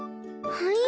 はい？